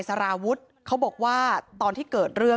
จะรับผิดชอบกับความเสียหายที่เกิดขึ้น